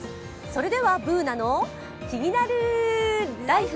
それでは「ＢｏｏｎａのキニナルＬＩＦＥ」。